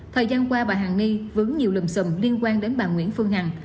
thời gian qua bà hàng nghi vướng nhiều lùm xùm liên quan đến bà nguyễn phương hằng